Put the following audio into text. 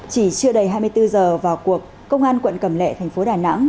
chỉ chưa đầy hai mươi bốn giờ vào cuộc công an quận cầm lệ thành phố đà nẵng